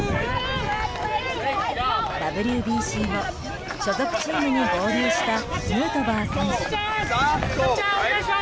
ＷＢＣ後、所属チームに合流したヌートバー選手。